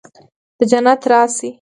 د جنت راشي